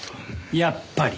やっぱり。